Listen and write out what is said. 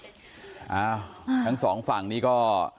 ถ้าคุณดูข้างสองก็